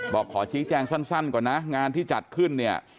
บอกขอชี้แจงสั้นก่อนนะงานที่จัดขึ้นเนี่ย